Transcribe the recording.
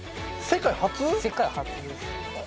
世界初ですね。